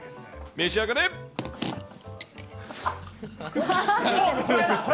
召し上がれ。